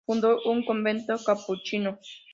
Fundó un convento capuchino.